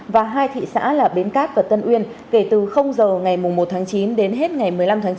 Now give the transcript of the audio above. và hai thị xã là bến cát và tân uyên kể từ h ngày một chín đến hết ngày một mươi năm chín